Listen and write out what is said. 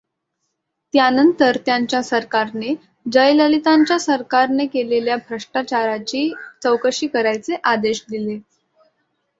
त्यानंतर त्यांच्या सरकारने जयललितांच्या सरकारने केलेल्या भ्रष्टाचाराची चौकशी करायचे आदेश दिले.